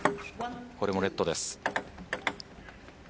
これもネットです。